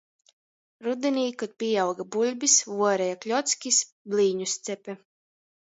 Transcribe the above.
Rudinī, kod pīauga buļbys, vuoreja kļockys, blīnus cepe.